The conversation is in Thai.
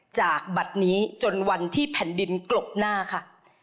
จากบัตรนี้จนวันที่แผ่นดินกลบหน้าค่ะ